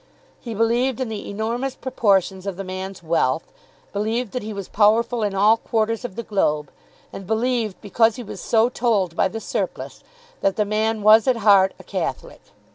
He believed in the enormous proportions of the man's wealth, believed that he was powerful in all quarters of the globe, and believed, because he was so told by "The Surplice," that the man was at heart a Catholic.